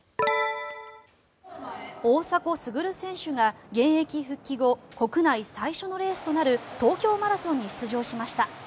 大迫傑選手が現役復帰後国内最初のレースとなる東京マラソンに出場しました。